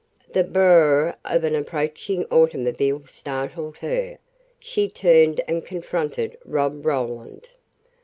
The "burr r rr r" of an approaching automobile startled her. She turned and confronted Rob Roland.